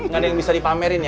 gak ada yang bisa dipamerin ya